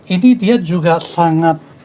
ini dia juga sangat